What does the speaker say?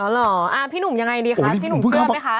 เหรอพี่หนุ่มยังไงดีคะพี่หนุ่มเชื่อไหมคะ